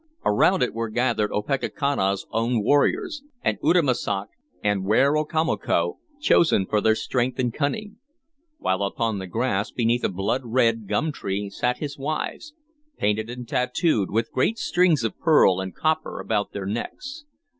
Around it were gathered Opechancanough's own warriors, men from Orapax and Uttamussac and Werowocomoco, chosen for their strength and cunning; while upon the grass beneath a blood red gum tree sat his wives, painted and tattooed, with great strings of pearl and copper about their necks.